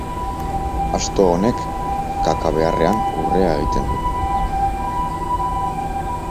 Asto honek kaka beharrean urrea egiten du.